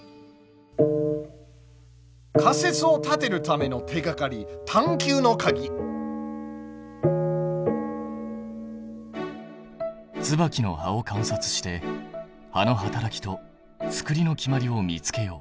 仮説を立てるための手がかりツバキの葉を観察して葉の働きとつくりの決まりを見つけよう。